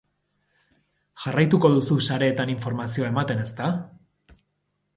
Jarraituko duzu sareetan informazioa ematen, ezta?